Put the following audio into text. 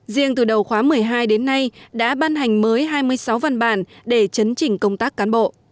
riêng từ đầu khóa một mươi hai đến nay đã ban hành mới hai mươi sáu văn bản để chấn chỉnh công tác cán bộ